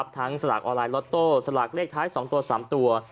สลากออนไลน์ล็อตโต้สลากเลขท้าย๒ตัว๓ตัว